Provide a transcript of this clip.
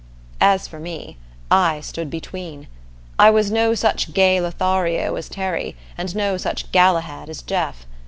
As for me, I stood between. I was no such gay Lothario as Terry, and no such Galahad as Jeff.